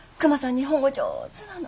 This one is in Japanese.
日本語上手なの。